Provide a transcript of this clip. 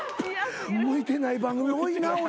向いてない番組多いな俺。